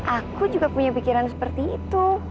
aku juga punya pikiran seperti itu